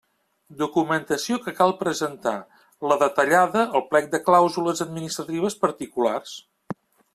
Documentació que cal presentar: la detallada al plec de clàusules administratives particulars.